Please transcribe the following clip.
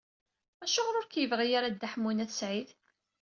Acuɣeṛ ur k-yebɣi ara da Ḥemmu n At Sɛid?